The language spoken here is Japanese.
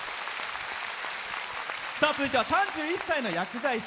続いては、３１歳の薬剤師。